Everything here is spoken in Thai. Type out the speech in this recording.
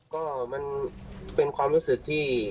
ก็มันเป็นความรู้สึกที่